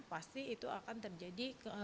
pasti itu akan terjadi